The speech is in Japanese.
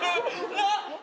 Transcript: なっ？